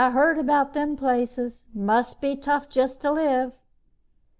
Heard about them places. Must be tough just to live."